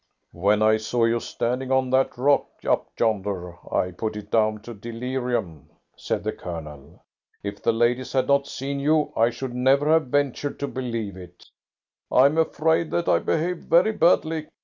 "When I saw you standing on that rock up yonder, I put it down to delirium," said the Colonel. "If the ladies had not seen you, I should never have ventured to believe it." "I am afraid that I behaved very badly.